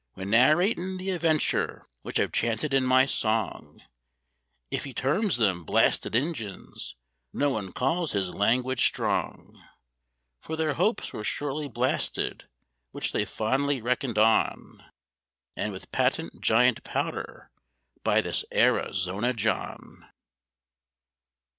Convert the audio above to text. When narratin' the adventure which I've chanted in my song, If he terms them "blasted Injuns" no one calls his language strong— For their hopes were surely blasted which they fondly reckoned on, And with patent giant powder by this Arizona John.